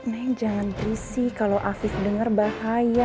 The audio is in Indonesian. nek jangan berisi kalau afif dengar bahaya